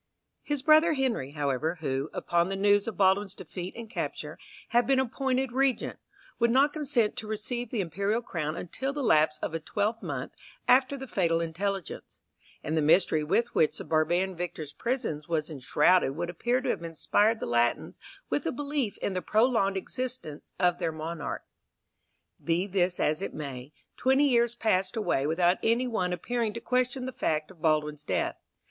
His brother Henry, however, who, upon the news of Baldwin's defeat and capture, had been appointed Regent, would not consent to receive the imperial crown until the lapse of a twelvemonth after the fatal intelligence; and the mystery with which the barbarian victor's prisons was enshrouded would appear to have inspired the Latins with a belief in the prolonged existence of their monarch. Be this as it may, twenty years passed away without any one appearing to question the fact of Baldwin's death.